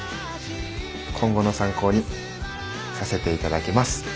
今後の参考にさせて頂きます。